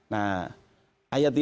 nah ayat ini